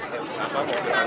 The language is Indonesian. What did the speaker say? selatan pak rupi selatan